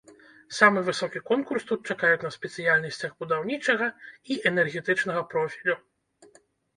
Самы высокі конкурс тут чакаюць на спецыяльнасцях будаўнічага і энергетычнага профілю.